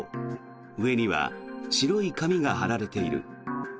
上には白い紙が貼られている。